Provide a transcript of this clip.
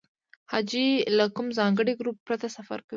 حاجي له کوم ځانګړي ګروپ پرته سفر کوي.